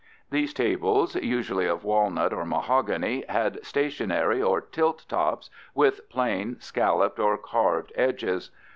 These tables, usually of walnut or mahogany, had stationary or tilt tops with plain, scalloped, or carved edges.